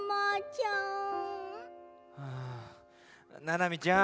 ななみちゃん